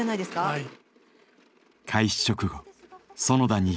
はい。